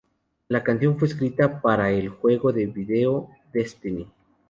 La canción fue escrita para el juego de vídeo ‘Destiny’.